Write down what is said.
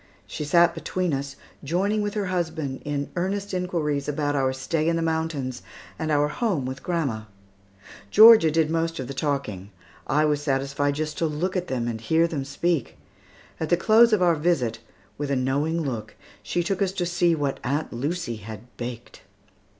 She sat between us, joining with her husband in earnest inquiries about our stay in the mountains and our home with grandma. Georgia did most of the talking. I was satisfied just to look at them and hear them speak. At the close of our visit, with a knowing look, she took us to see what Aunt Lucy had baked.